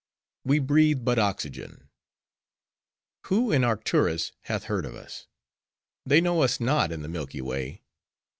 We breathe but oxygen. Who in Arcturus hath heard of us? They know us not in the Milky Way.